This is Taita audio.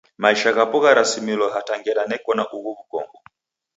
Maisha ghapo gharasimilo hata ngera neko na ughu w'ukongo.